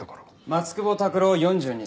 松久保拓郎４２歳。